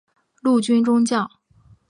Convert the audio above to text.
陆军中将。